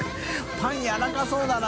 パンやわらかそうだな。